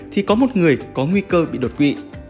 thì có một người có nguy cơ bị đột quỵ